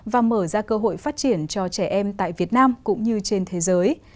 và mở ra cơ hội phát triển cho trẻ em tại việt nam cũng như trên thế giới